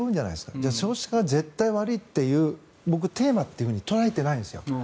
じゃあ少子化が絶対悪いという僕、テーマって捉えていないんですよ。